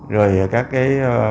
rồi các cái